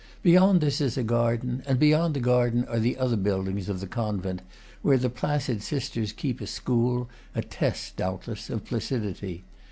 Beyond this is a garden, and beyond the garden are the other buildings of the Convent, where the placid sisters keep a school, a test, doubtless, of placidity.